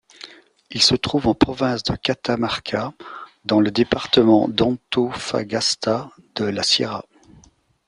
Il se trouve en province de Catamarca, dans le département d'Antofagasta de la Sierra.